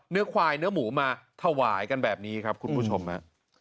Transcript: เนื้อควายเนื้อหมูมาถวายกันแบบนี้ครับคุณผู้ชมฮะ